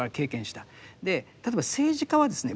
例えば政治家はですね